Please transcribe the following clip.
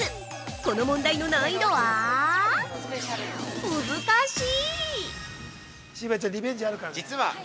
この問題の難易度はむずかしい！